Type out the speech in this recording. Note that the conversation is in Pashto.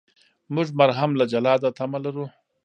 موږ مرهم له جلاده تمه لرو.